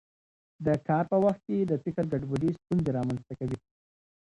د کار په وخت کې د فکر ګډوډي ستونزې رامنځته کوي.